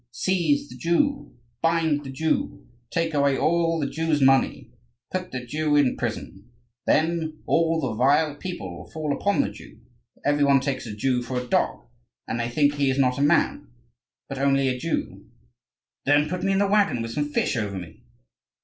Seize the Jew, bind the Jew, take away all the Jew's money, put the Jew in prison!' Then all the vile people will fall upon the Jew, for every one takes a Jew for a dog; and they think he is not a man, but only a Jew." "Then put me in the waggon with some fish over me."